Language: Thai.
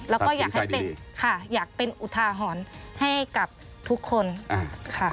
แล้วก็อยากให้เป็นอุทาหรณ์ให้กับทุกคนค่ะ